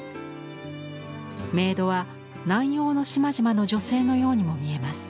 メイドは南洋の島々の女性のようにも見えます。